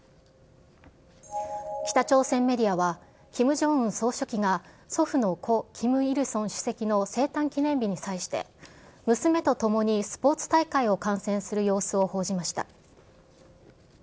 北朝鮮メディアは、キム・ジョンウン総書記が、祖父の故・キム・イルソン主席の生誕記念日に際して、娘と共にスポーツ大会を観戦する様子を報じました。